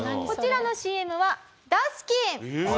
こちらのＣＭはダスキン。